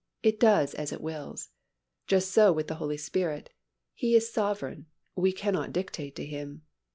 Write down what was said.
It does as it wills. Just so with the Holy Spirit—He is sovereign—we cannot dictate to Him.